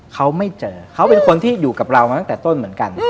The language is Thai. เขาไม่เจอเขาเป็นคนที่อยู่กับเรามาตั้งแต่ต้นเหมือนกัน